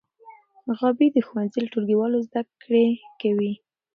غابي د ښوونځي له ټولګیوالو زده کړې کوي.